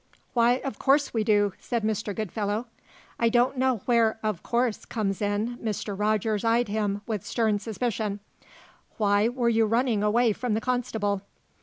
"Why, of course we do!" said Mr. Goodfellow. "I don't know where 'of course' comes in." Mr. Rogers eyed him with stern suspicion. "Why were you running away from the constable?"